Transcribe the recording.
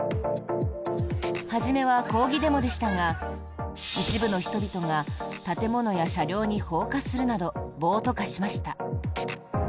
初めは抗議デモでしたが一部の人々が建物や車両に放火するなど暴徒化しました。